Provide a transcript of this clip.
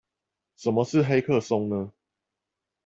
什麼是黑客松呢？